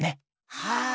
はい。